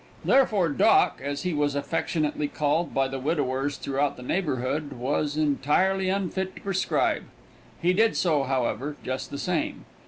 Therefore "Doc," as he was affectionately called by the widowers throughout the neighborhood, was entirely unfit to prescribe. He did so, however, just the same.